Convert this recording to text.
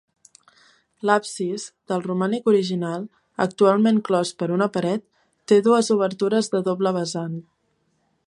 L'absis, del romànic original, actualment clos per una paret, té dues obertures de doble vessant.